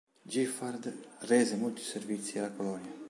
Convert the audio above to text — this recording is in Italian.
Giffard rese molti servizi alla colonia.